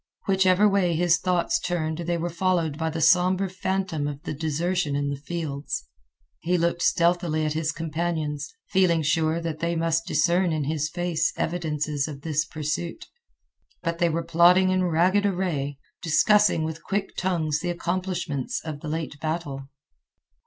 Whichever way his thoughts turned they were followed by the somber phantom of the desertion in the fields. He looked stealthily at his companions, feeling sure that they must discern in his face evidences of this pursuit. But they were plodding in ragged array, discussing with quick tongues the accomplishments of the late battle.